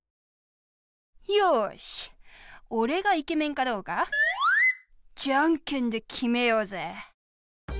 よしおれがイケメンかどうかジャンケンできめようぜ！